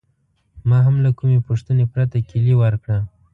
ما هم له کومې پوښتنې پرته کیلي ورکړه.